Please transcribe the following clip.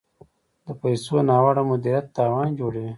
د پیسو ناوړه مدیریت تاوان جوړوي.